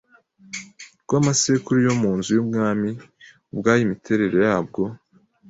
rw amasekuru yo mu nzu y ubwami ubwayo imitere yabwo